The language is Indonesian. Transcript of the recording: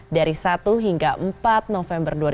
dari satu hingga empat november dua ribu delapan belas